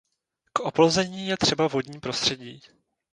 K oplození je třeba vodní prostředí.